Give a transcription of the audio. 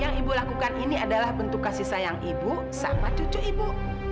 yang ibu lakukan ini adalah bentuk kasih sayang ibu sama cucu ibu